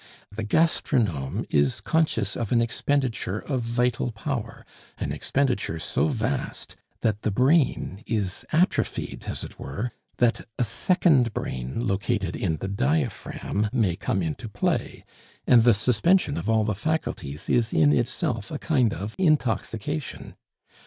The gastronome is conscious of an expenditure of vital power, an expenditure so vast that the brain is atrophied (as it were), that a second brain, located in the diaphragm, may come into play, and the suspension of all the faculties is in itself a kind of intoxication.